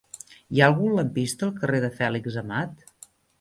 Hi ha algun lampista al carrer de Fèlix Amat?